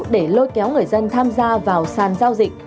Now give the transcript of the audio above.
để lôi kéo người dân tham gia vào sàn giao dịch